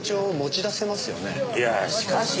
いやしかし。